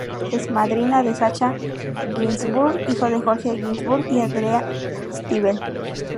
Es madrina de Sacha Guinzburg, hijo de Jorge Guinzburg y Andrea Stivel.